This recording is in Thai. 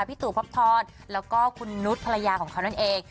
พี่ตู่พบทรแล้วก็คุณนุษย์ภรรยาของเขานั่นเอง